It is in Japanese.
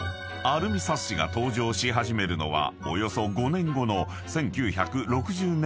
アルミサッシが登場し始めるのはおよそ５年後の１９６０年代半ば］